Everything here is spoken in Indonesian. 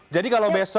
jadi kalau besok